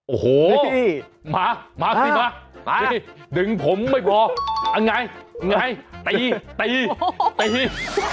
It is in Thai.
โอ้โหมามาสิมามาสิดึงผมไม่พอเอาไงไงตีตีตี